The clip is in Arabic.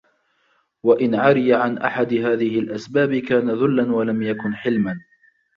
وَإِنْ عَرِيَ عَنْ أَحَدِ هَذِهِ الْأَسْبَابِ كَانَ ذُلًّا وَلَمْ يَكُنْ حِلْمًا